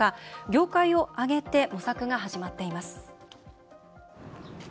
業界を挙げて模索が始まっています。